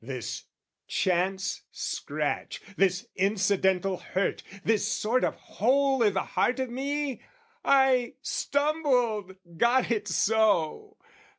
This chance scratch, This incidental hurt, this sort of hole I' the heart of me? I stumbled, got it so!